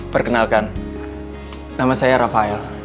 perkenalkan nama saya rafael